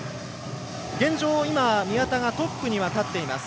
現状、宮田がトップには立っています。